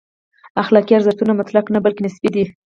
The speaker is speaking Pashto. اخلاقي ارزښتونه مطلق نه، بلکې نسبي دي.